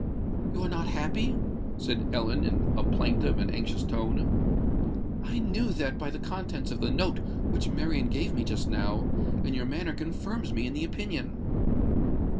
"You are not happy?" said Ellen, in a plaintive and anxious tone. "I knew that by the contents of the note which Marian gave me just now; and your manner confirms me in the opinion."